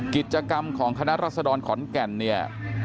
กิจกรรมของคณะรัศดรขอนแก่นเนี่ย